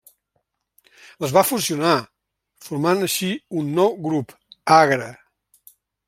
Les va fusionar, formant així un nou grup, Agre.